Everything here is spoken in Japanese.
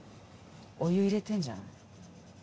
お湯入れてんじゃん？